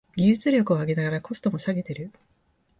技術力を上げながらコストも下げてる